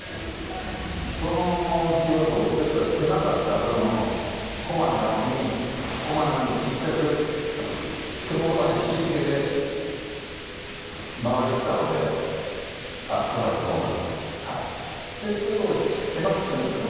その日はステップが狭かった分こまのようにちっちゃく手元まで引きつけて回れていたのであそこまで飛んだ。